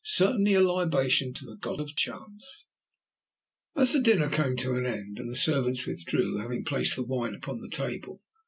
Certainly, a libation to the God of Chance." At last the dinner came to an end, and the servants withdrew, having placed the wine upon the table.